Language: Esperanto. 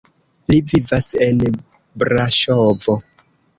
Li vivas en Braŝovo.